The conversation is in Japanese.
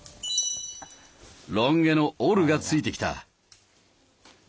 ロン毛のオルがついてきた！